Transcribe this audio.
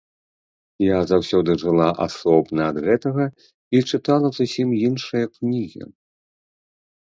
Я заўсёды жыла асобна ад гэтага і чытала зусім іншыя кнігі.